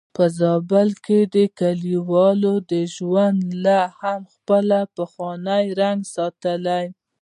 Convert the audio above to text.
په زابل کې کليوالي ژوند لا هم خپل پخوانی رنګ ساتلی.